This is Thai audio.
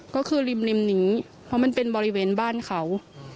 ก็คือริมนี้เพราะมันเป็นบริเวณบ้านเขา